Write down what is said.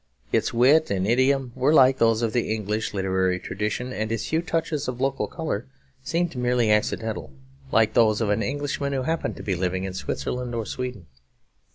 Its wit and idiom were like those of the English literary tradition; and its few touches of local colour seemed merely accidental, like those of an Englishman who happened to be living in Switzerland or Sweden.